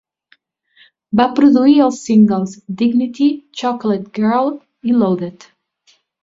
Va produir els singles "Dignity", "Chocolate Girl" i "Loaded".